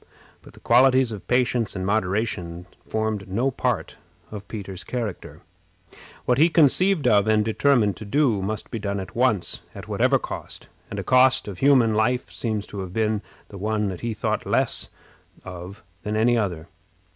But the qualities of patience and moderation formed no part of Peter's character. What he conceived of and determined to do must be done at once, at whatever cost; and a cost of human life seems to have been the one that he thought less of than any other.